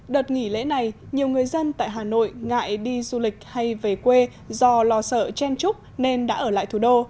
đợt nghỉ lễ này nhiều người dân tại hà nội ngại đi du lịch hay về quê do lo sợ chen trúc nên đã ở lại thủ đô